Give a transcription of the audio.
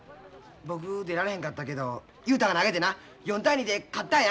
僕出られへんかったけど雄太が投げてな４対２で勝ったんや。